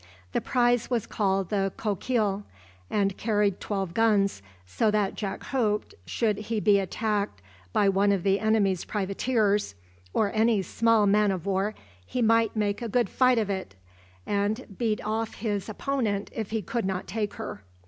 The prize was called the "Coquille," and carried twelve guns, so that Jack hoped, should he be attacked by one of the enemy's privateers, or any small man of war, he might make a good fight of it, and beat off his opponent if he could not take her.